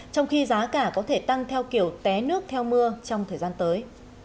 trong khi giá cả có thể tăng theo kiểu té nước theo mưa trong thời gian tới